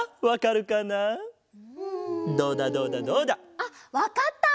あっわかった！